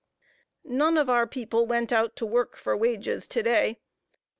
None of our people went out to work for wages, to day.